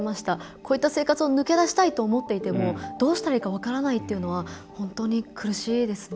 こういった生活を抜け出したいと思っていてもどうしたらいいか分からないというのは本当に苦しいですね。